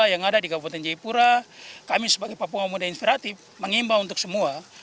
yang ada di kabupaten jayapura kami sebagai papua muda inspiratif mengimbau untuk semua